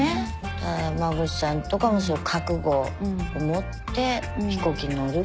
だから山口さんとかもそういう覚悟を持って飛行機に乗るから。